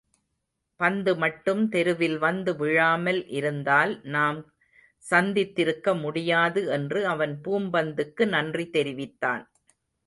பந்துமட்டும் தெருவில் வந்து விழாமல் இருந்தால் நாம் சந்தித்திருக்க முடியாது என்று அவன் பூப்பந்துக்கு நன்றி தெரிவித்தான்.